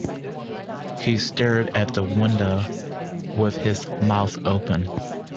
He stared at the window, with his mouth open.